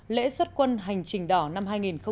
lễ xuất quân hành trình đỏ năm hai nghìn một mươi bảy